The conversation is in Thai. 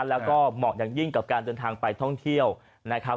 แล้วก็เหมาะอย่างยิ่งกับการเดินทางไปท่องเที่ยวนะครับ